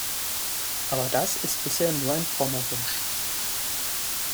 Aber das ist bisher nur ein frommer Wunsch.